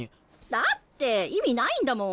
だって意味ないんだもん。